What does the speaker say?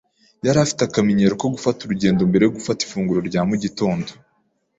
Yari afite akamenyero ko gufata urugendo mbere yo gufata ifunguro rya mu gitondo.